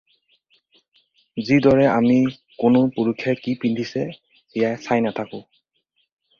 যিদৰে আমি কোনো পুৰুষে কি পিন্ধিছে সেয়া চাই নাথাকোঁ।